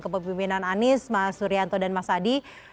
kepemimpinan anies mas suryanto dan mas adi